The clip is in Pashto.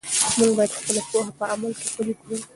موږ باید خپله پوهه په عمل کې پلی کړو.